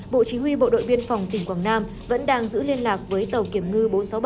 bộ chí huy bộ đội biên phòng tỉnh quảng nam vẫn đang giữ liên lạc với tàu kiểm ngư bốn trăm sáu mươi bảy